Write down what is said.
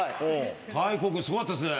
大光君すごかったですね。